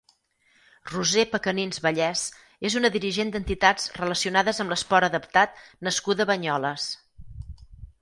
Roser Pecanins Vallès és una dirigent d'entitats relacionades amb l'esport adaptat nascuda a Banyoles.